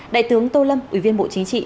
đại tướng tô lâm ủy viên bộ chính trị